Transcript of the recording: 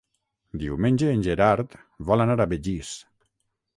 Diumenge en Gerard vol anar a Begís.